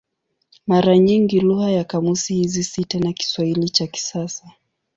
Mara nyingi lugha ya kamusi hizi si tena Kiswahili cha kisasa.